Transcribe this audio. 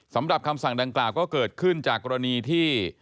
สำหรับคำสั่งดังกล่าวก็เกิดขึ้นจากกรณีที่